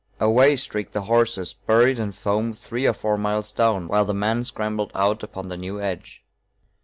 Away streaked the horses, buried in foam, three or four miles down, while the men scrambled out upon the new edge.